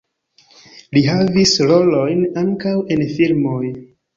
Li havis rolojn ankaŭ en filmoj.